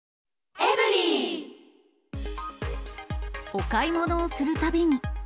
お買い物をするたびに。